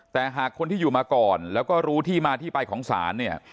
แต่หากคนที่อยู่มาก่อนแล้วก็รู้ที่มาที่ไปของศาลเนี่ย